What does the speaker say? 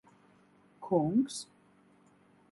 Kungs?